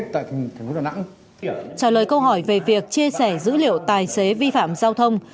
trả lời câu hỏi về việc chia sẻ dữ liệu tài xế vi phạm giao thông